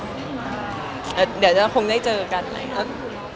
เดี๋ยวผมยังคงได้เจอกันไงครับ